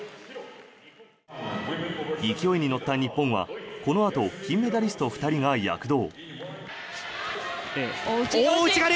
勢いに乗った日本はこのあと金メダリスト２人が躍動。